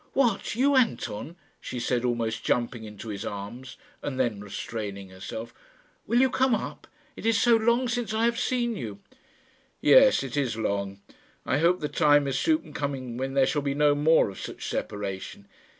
"What! you, Anton?" she said, almost jumping into his arms, and then restraining herself. "Will you come up? It is so long since I have seen you." "Yes it is long. I hope the time is soon coming when there shall be no more of such separation."